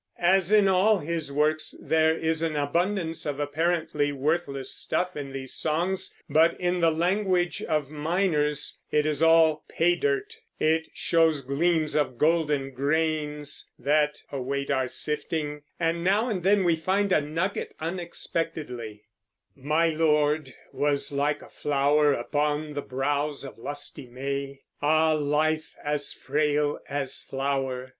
As in all his works, there is an abundance of apparently worthless stuff in these songs; but, in the language of miners, it is all "pay dirt"; it shows gleams of golden grains that await our sifting, and now and then we find a nugget unexpectedly: My lord was like a flower upon the brows Of lusty May; ah life as frail as flower!